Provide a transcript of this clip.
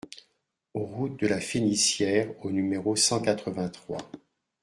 Route de la Fénicière au numéro cent quatre-vingt-trois